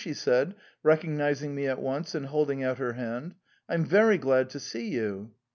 she said, recognising me at once and holding out her hand. " I am very glad to see you."